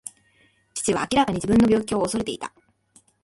父は明らかに自分の病気を恐れていた。